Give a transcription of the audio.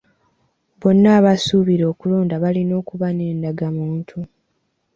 Bonna abasuubira okulonda balina okuba n'endagamuntu.